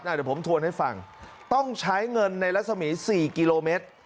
เดี๋ยวผมทวนให้ฟังต้องใช้เงินในรัศมี๔กิโลเมตร